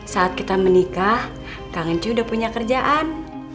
saat kita menikah kang encu udah punya kerjaan